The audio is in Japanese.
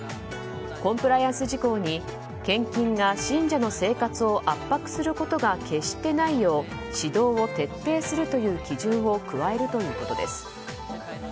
コンプライアンス事項に献金が信者の生活を圧迫することが決してないよう指導を徹底するという基準を加えるということです。